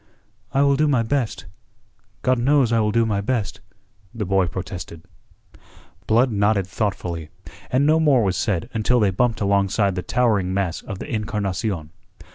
"I will do my best. God knows I will do my best," the boy protested. Blood nodded thoughtfully, and no more was said until they bumped alongside the towering mass of the Encarnadon.